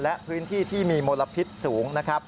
และพื้นที่ที่มีมลพิษสูงนะครับ